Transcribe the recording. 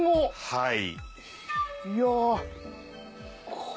はい。